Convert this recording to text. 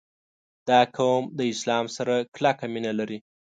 • دا قوم د اسلام سره کلکه مینه لري.